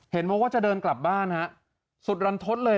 มาว่าจะเดินกลับบ้านฮะสุดรันทศเลย